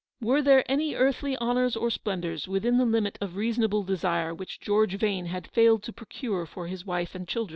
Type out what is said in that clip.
Were there any earthly honours or splendours, within the limit of reasonable desire, which George Vane had failed to procure for his wife and children?